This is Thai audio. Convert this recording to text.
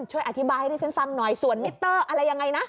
ช่วยอธิบายให้ที่ฉันฟังหน่อยส่วนมิเตอร์อะไรยังไงนะ